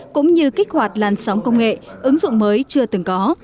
cũng như kích hoạt làn sóng công nghệ ứng dụng mới chưa từng có